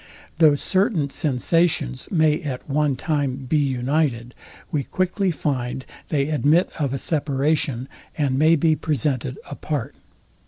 Though certain sensations may at one time be united, we quickly find they admit of a separation, and may be presented apart.